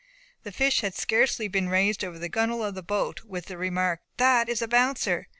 The fish had scarcely been raised over the gunwale of the boat, with the remark, "that is a bouncer!"